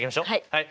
はい。